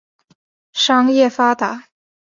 商业发达。